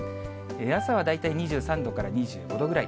朝は大体２３度から２５度ぐらい。